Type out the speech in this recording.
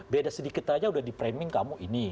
beda sedikit aja udah di framing kamu ini